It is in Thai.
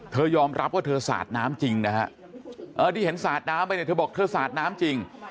ยอมรับว่าเธอสาดน้ำจริงนะฮะที่เห็นสาดน้ำไปเนี่ยเธอบอกเธอสาดน้ำจริง